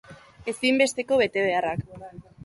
Ezinbesteko betebeharrak